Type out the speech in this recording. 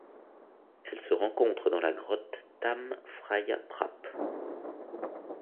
Elle se rencontre dans la grotte Tham Phraya Prap.